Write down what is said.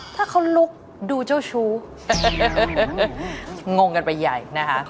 ถ้าเขาลุกดูเจ้าชู้งงกันไปใหญ่นะคะ